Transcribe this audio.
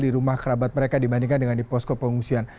di rumah kerabat mereka dibandingkan dengan di posko pengungsian